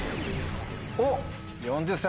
おっ「４０歳」。